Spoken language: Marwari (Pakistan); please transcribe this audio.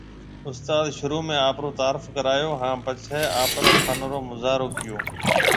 استاد شروع ۾ آپرو تعارف ڪرايو ھان پڇي آپري فن رو مظاھرو ڪيئو